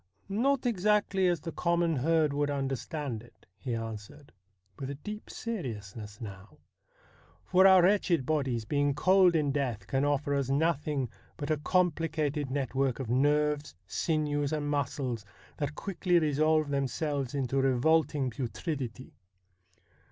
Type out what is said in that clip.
' Not exactly as the common herd would understand it,' he answered, with a deep seriousness now, ' for our wretched bodies being cold in death can offer us nothing but a compli cated network of nerves, sinews, and muscles that quickly resolve themselves into revolting putridity.